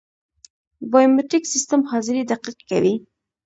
د بایومتریک سیستم حاضري دقیق کوي